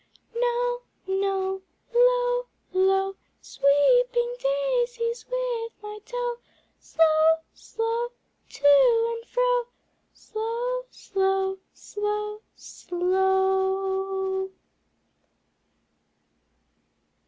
No, no, Low, low, Sweeping daisies with my toe. Slow, slow, To and fro, Slow slow slow slow.